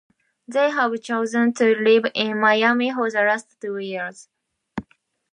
They have chosen to live in Miami for the last two years.